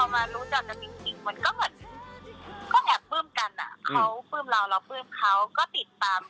มีเขามาเล่นกับวิทยุทธิ์ของรักษาแล้ว